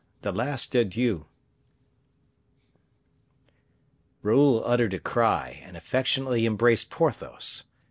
The Last Adieux. Raoul uttered a cry, and affectionately embraced Porthos.